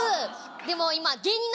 でも今。